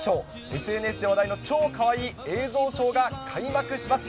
ＳＮＳで話題の超かわいい映像ショーが開幕します。